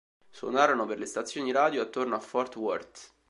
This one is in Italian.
Suonarono per le stazioni radio attorno a Fort Worth.